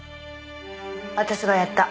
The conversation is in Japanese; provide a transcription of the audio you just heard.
私がやった。